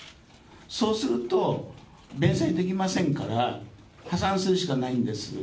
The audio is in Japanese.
そうすると、弁済できませんから、破産するしかないんです。